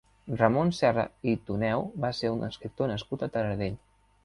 Ramon Serra i Toneu va ser un escriptor nascut a Taradell.